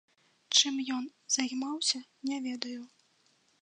Чым ён займаўся, не ведаю.